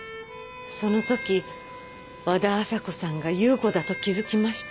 そのとき和田朝子さんが夕子だと気付きました。